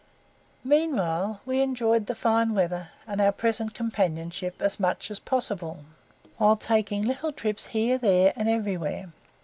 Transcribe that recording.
Meanwhile we enjoyed the fine weather, and our present companionship, as much as possible, while taking little trips here, there, and everywhere.